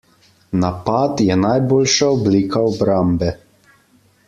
Napad je najboljša oblika obrambe.